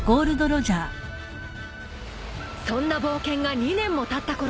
［そんな冒険が２年もたったころ